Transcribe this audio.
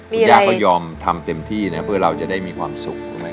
คุณย่าก็ยอมทำเต็มที่นะเพื่อเราจะได้มีความสุข